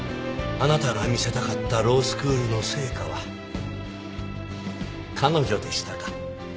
あなたが見せたかったロースクールの成果は彼女でしたか。